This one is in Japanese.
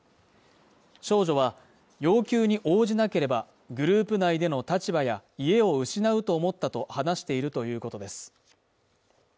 少女は要求に応じなければ、グループ内での立場や家を失うと思ったと話しているということです。